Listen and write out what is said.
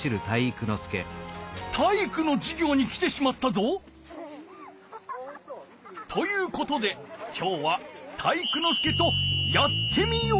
体育のじゅぎょうに来てしまったぞ。ということで今日は体育ノ介と「やってみよう！」